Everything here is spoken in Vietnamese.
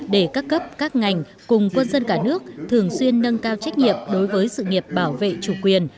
để các cấp các ngành cùng quân dân cả nước thường xuyên nâng cao trách nhiệm đối với sự nghiệp bảo vệ chủ quyền